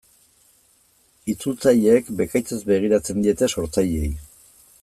Itzultzaileek bekaitzez begiratzen diete sortzaileei.